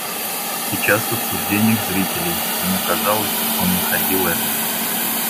И часто в суждениях зрителей, ему казалось, он находил это.